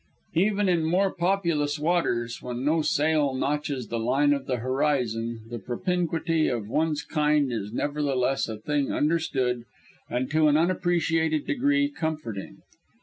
Even in more populous waters, when no sail notches the line of the horizon, the propinquity of one's kind is nevertheless a thing understood, and to an unappreciated degree comforting.